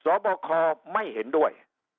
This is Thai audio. สอบคอไม่เห็นด้วย